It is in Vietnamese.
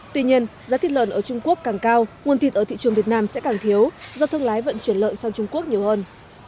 tuy nhiên giá thịt lợn ở trung quốc càng cao nguồn thịt ở thị trường việt nam sẽ càng thiếu do thương lái vận chuyển lợn sang trung quốc nhiều hơn